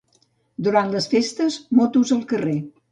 Durant les festes, Motos al carrer.